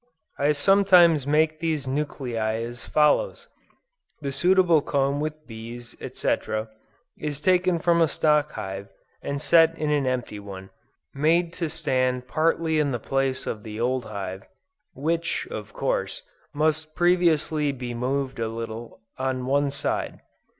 I sometimes make these nuclei as follows. The suitable comb with bees &c., is taken from a stock hive, and set in an empty one, made to stand partly in the place of the old hive, which, of course, must previously be moved a little on one side.